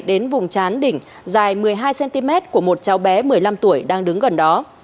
đến vùng chán đỉnh dài một mươi hai cm của một cháu bé một mươi năm tuổi đang đứng gần đó